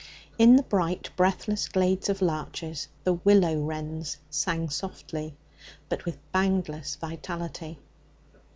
In the bright breathless glades of larches the willow wrens sang softly, but with boundless vitality.